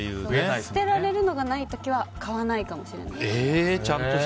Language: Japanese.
捨てられるのがない時は買わないかもしれないです。